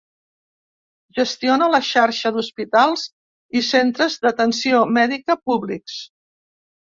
Gestiona la xarxa d'Hospitals i centres d'atenció mèdica públics.